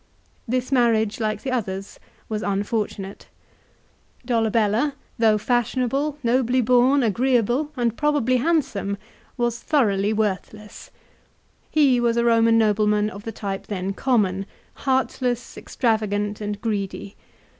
This marriage like the others was unfortunate. Dolabella, though fashionable, nobly born, agreeable, and probably 1 Ad Att. lib. xi. 1. VOL. II. K 130 LIFE OF CICERO. handsome, was thoroughly worthless. He was a Eornan nobleman of the type then common, heartless, extravagant, and greedy.